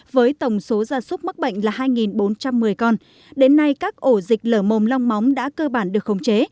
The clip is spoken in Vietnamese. với tổng số gia súc mắc bệnh là hai bốn trăm một mươi con đến nay các ổ dịch lở mồm long móng đã cơ bản được khống chế